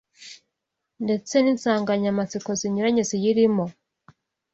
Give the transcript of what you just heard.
ndetse n’insangamatsiko zinyuranye ziyirimo